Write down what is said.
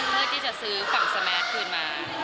เพื่อที่จะซื้อฝั่งสแมทคืนมา